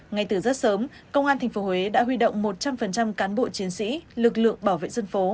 ngay từ rất sớm công an tp huế đã huy động một trăm linh cán bộ chiến sĩ lực lượng bảo vệ dân phố